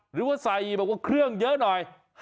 หรือว่าใสมาเยอะแปลงเยอะหน่อย